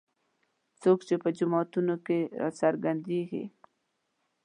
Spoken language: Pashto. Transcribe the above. څوک چې په جوماتونو کې راڅرګندېږي.